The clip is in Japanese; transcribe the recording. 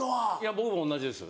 僕も同じです。